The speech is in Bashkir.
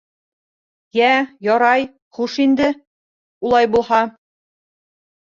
Йә, ярай, хуш инде, улай булһа.